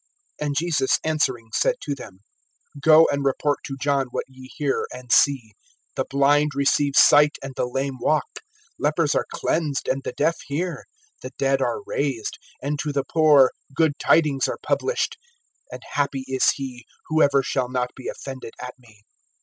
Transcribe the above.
(4)And Jesus answering said to them: Go and report to John what ye hear and see. (5)The blind receive sight and the lame walk, lepers are cleansed and the deaf hear, the dead are raised, and to the poor good tidings are published. (6)And happy is he, whoever shall not be offended at me.